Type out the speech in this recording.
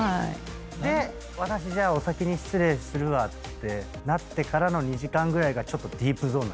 で「私じゃあお先に失礼するわ」ってなってからの２時間ぐらいがディープゾーン。